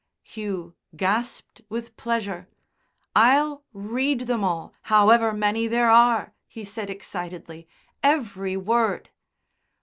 Hugh gasped with pleasure. "I'll read them all, however many there are!" he said excitedly. "Every word."